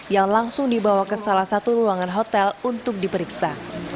yang langsung dibawa ke salah satu ruangan hotel untuk diperiksa